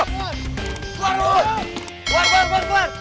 keluar keluar keluar keluar